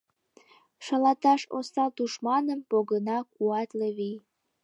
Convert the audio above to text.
Шалаташ осал тушманым Погына куатле вий.